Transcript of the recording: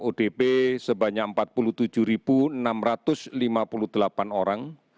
odp sebanyak empat puluh tujuh enam ratus lima puluh delapan orang